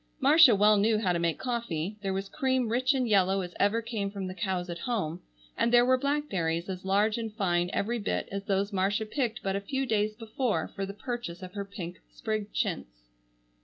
Marcia well knew how to make coffee, there was cream rich and yellow as ever came from the cows at home and there were blackberries as large and fine every bit as those Marcia picked but a few days before for the purchase of her pink sprigged chintz.